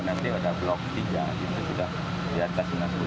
nanti ada blok tiga itu sudah di atas dengan seratus km